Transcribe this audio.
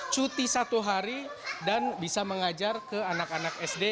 cuti satu hari dan bisa mengajar ke anak anak sd